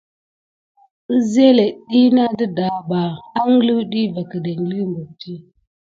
Əzelet ɗiyi kidi sine nà vakunà nane aouta puluba.